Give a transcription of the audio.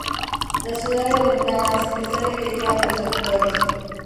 La ciudad de Ventanas está dividida por sectores.